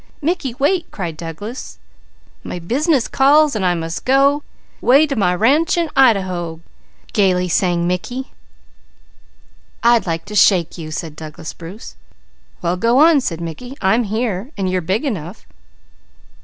"Mickey, wait!" cried Douglas. "Me business calls, an' I must go 'way to my ranch in Idaho!" gaily sang Mickey. "I'd like to shake you!" said Douglas Bruce. "Well, go on," said Mickey. "I'm here and you're big enough."